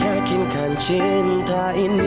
yakinkan cinta ini